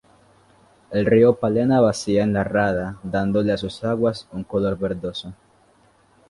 El río Palena vacía en la rada dándole a sus aguas un color verdoso.